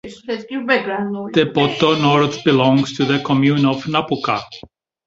Tepoto Nord belongs to the commune of Napuka.